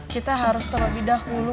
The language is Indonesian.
kita harus terlebih dahulu